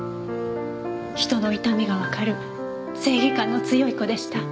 人の痛みがわかる正義感の強い子でした。